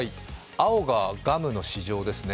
青がガムの市場ですね。